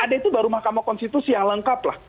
ada itu baru mahkamah konstitusi yang lengkap lah